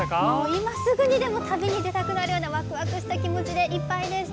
今すぐにでも旅に出たくなるようなわくわくした気持ちでいっぱいです。